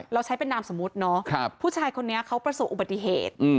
เราใช้เป็นนามสมมุติเนาะผู้ชายคนนี้เขาประสบอุบัติเหตุ